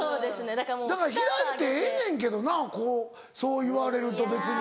だから開いてええねんけどなそういわれると別に。